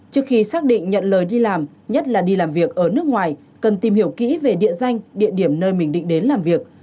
trước khi xác định nhận lời đi làm nhất là đi làm việc ở nước ngoài cần tìm hiểu kỹ về địa danh địa điểm nơi mình định đến làm việc